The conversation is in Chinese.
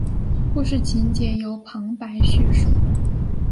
故事情节由旁白叙述。